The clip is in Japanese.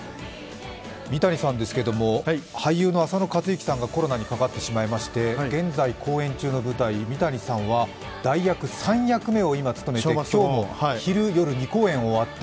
三谷さんですが、俳優の浅野和之さんがコロナにかかってしまいまして現在、公演中の舞台、三谷さんは代役３役目を今日も務めて今日も昼夜２公演終わって？